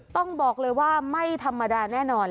ต้องบอกเลยว่าไม่ธรรมดาแน่นอน